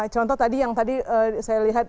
contoh tadi yang tadi saya lihat